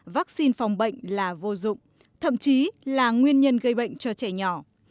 vaccine phòng bệnh là vô dụng thậm chí là nguyên nhân gây bệnh cho trẻ nhỏ